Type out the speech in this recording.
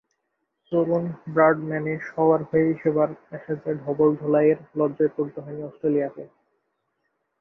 তরুণ ব্র্যাডম্যানে সওয়ার হয়েই সেবার অ্যাশেজে ধবলধোলাইয়েল লজ্জায় পড়তে হয়নি অস্ট্রেলিয়াকে।